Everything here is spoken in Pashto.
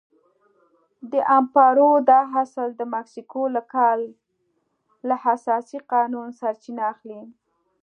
د امپارو دا اصل د مکسیکو له کال له اساسي قانون سرچینه اخلي.